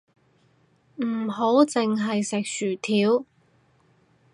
唔好淨係食薯條